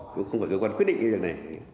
cũng không phải cơ quan quyết định như thế này